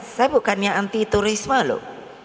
saya bukannya anti turisme loh